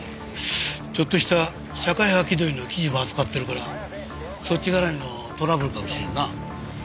ちょっとした社会派気取りの記事も扱ってるからそっち絡みのトラブルかもしれんな。